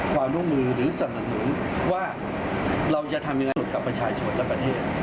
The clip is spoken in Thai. ความร่วมมือหรือสนับสนุนว่าเราจะทำยังไงกับประชาชนและประเทศ